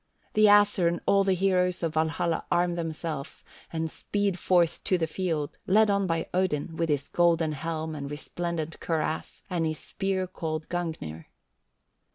The Æsir and all the heroes of Valhalla arm themselves and speed forth to the field, led on by Odin, with his golden helm and resplendent cuirass, and his spear called Gungnir.